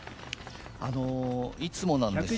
いつもなんですよね。